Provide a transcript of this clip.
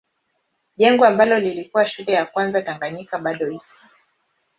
Jengo ambalo lilikuwa shule ya kwanza Tanganyika bado iko.